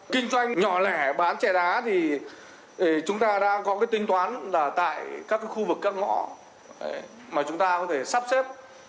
kinh doanh nhỏ lẻ bán chè đá thì chúng ta đang có tính toán tại các khu vực các ngõ mà chúng ta có thể sắp xếp